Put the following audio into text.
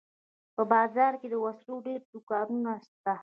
په بازار کښې د وسلو ډېر دوکانونه سته.